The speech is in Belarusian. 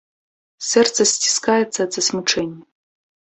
Сэрца сціскаецца ад засмучэння.